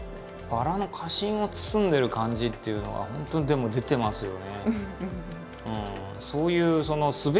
バラの花心を包んでる感じっていうのは本当にでも出てますよね。